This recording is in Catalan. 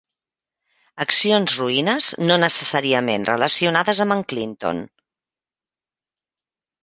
Accions roïnes no necessàriament relacionades amb en Clinton.